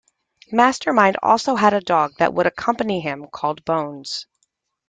Master Mind also had a dog that would accompany him, called Bones.